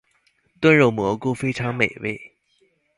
燉肉蘑菇非常美味